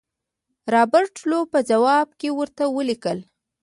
رابرټ لو په ځواب کې ورته ولیکل.